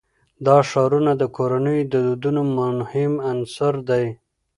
دا ښارونه د کورنیو د دودونو مهم عنصر دی.